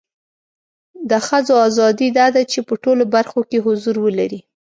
د خځو اذادی دا ده چې په ټولو برخو کې حضور ولري